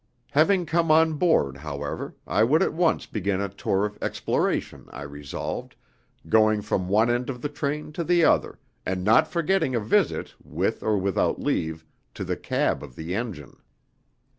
Having come on board, however, I would at once begin a tour of exploration, I resolved, going from one end of the train to the other, and not forgetting a visit (with or without leave) to the "cab" of the engine.